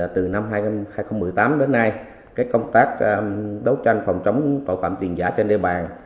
từ năm hai nghìn một mươi tám đến nay công tác đấu tranh phòng chống tội phạm tiền giả trên địa bàn